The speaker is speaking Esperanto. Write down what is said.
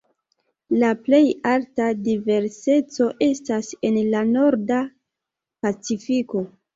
La plej alta diverseco estas en la Norda Pacifiko.